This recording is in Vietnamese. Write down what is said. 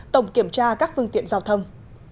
tổng kiểm tra các phương tiện giao thông